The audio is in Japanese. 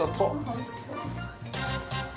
おいしそう。